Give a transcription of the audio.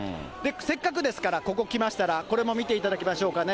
せっかくですから、ここ来ましたら、これも見ていただきましょうかね。